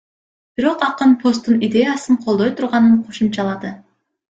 Бирок акын посттун идеясын колдой турганын кошумчалады.